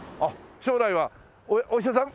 将来はお医者さん？